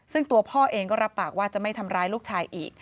ซึ่งตัวพ่อเองก็รับปากว่าจะไม่ทำร้ายลูกชายอีก